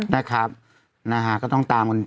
นะครับก็ต้องตาม